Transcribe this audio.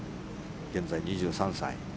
現在、２３歳。